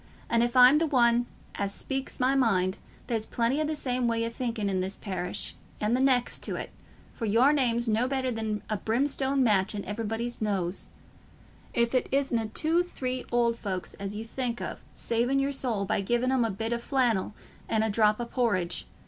An' if I'm th' only one as speaks my mind, there's plenty o' the same way o' thinking i' this parish and the next to 't, for your name's no better than a brimstone match in everybody's nose—if it isna two three old folks as you think o' saving your soul by giving 'em a bit o' flannel and a drop o' porridge.